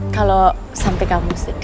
kalau sampai kamu sedih